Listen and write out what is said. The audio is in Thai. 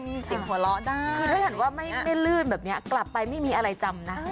มีเสียงหัวเราะได้คือถ้าเห็นว่าไม่ลื่นแบบนี้กลับไปไม่มีอะไรจำนะ